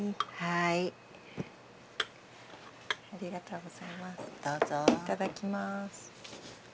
いただきます。